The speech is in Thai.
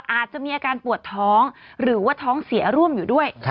อาจจะมีอาการปวดท้องหรือว่าท้องเสียร่วมอยู่ด้วย